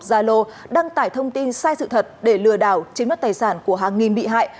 gia lô đăng tải thông tin sai sự thật để lừa đảo chiếm đất tài sản của hàng nghìn bị hại